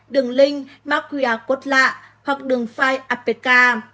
đường link mạc qr code lạ hoặc đường file apk